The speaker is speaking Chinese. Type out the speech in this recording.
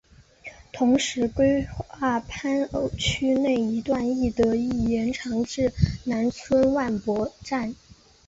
同时规划番禺区内一段亦得以延长至南村万博站。